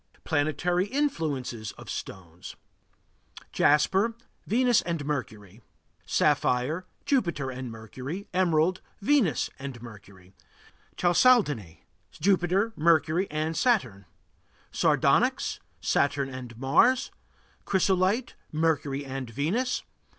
PLANETARY INFLUENCES OF STONES Jasper Venus and Mercury. Sapphire Jupiter and Mercury. Emerald Venus and Mercury. Chalcedony Jupiter, Mercury, and Saturn. Sardonyx Saturn and Mars. Chrysolite Mercury and Venus.